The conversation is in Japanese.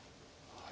はい。